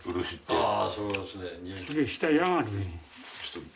ああそうですね。